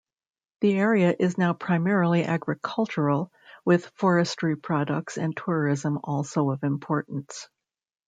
The area is now primarily agricultural, with forestry products and tourism also of importance.